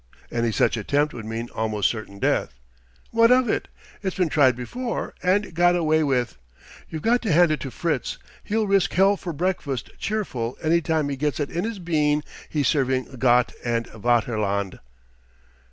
"Any such attempt would mean almost certain death!" "What of it? It's been tried before and got away with. You've got to hand it to Fritz, he'll risk hell for breakfast cheerful any time he gets it in his bean he's serving Gott und Vaterland."